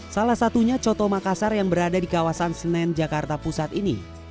salah satunya coto makassar yang berada di kawasan senen jakarta pusat ini